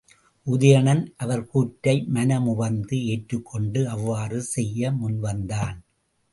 உதயணன் அவர் கூற்றை மனமுவந்து ஏற்றுக்கொண்டு அவ்வாறு செய்ய முன்வந்தான்.